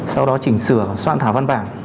sau đó chỉnh sửa soạn thả văn bản